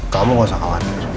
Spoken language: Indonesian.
kamu gak usah khawatir